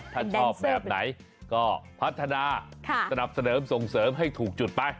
ถ้าชอบแบบไหนก็พัฒนาสนับสนุนส่งเสริมให้ถูกจุดไป